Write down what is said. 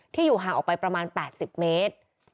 อยู่ห่างออกไปประมาณ๘๐เมตร